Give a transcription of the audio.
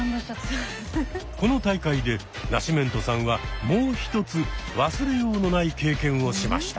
この大会でナシメントさんはもう一つ忘れようのない経験をしました。